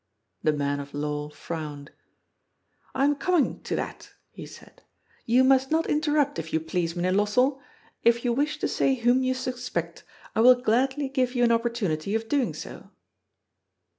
The man of law frowned. " I am coming to that," he said. "You must not interrupt, if you please. Mynheer Lossell. If you wish to say whom you suspect, I will gladly give you an opportunity of doing so."